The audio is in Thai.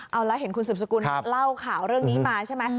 เอาแล้วเห็นคุณสืบสกุลเล่าข่าวเรื่องนี้มาใช่ไหม